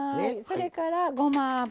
それからごま油。